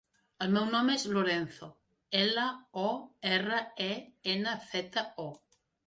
El meu nom és Lorenzo: ela, o, erra, e, ena, zeta, o.